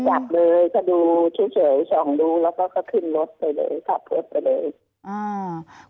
จับเลยก็ดูเฉยเฉยส่องดูแล้วก็ก็ขึ้นรถไปเลยขับรถไปเลยอ่า